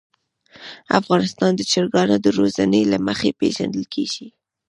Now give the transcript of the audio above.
افغانستان د چرګانو د روزنې له مخې پېژندل کېږي.